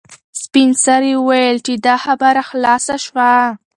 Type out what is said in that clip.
سپین سرې وویل چې خبره خلاصه شوه.